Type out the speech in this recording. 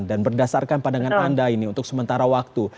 dan berdasarkan pandangan anda ini untuk sementara waktu